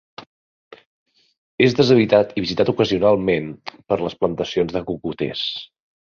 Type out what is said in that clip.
És deshabitat i visitat ocasionalment per les plantacions de cocoters.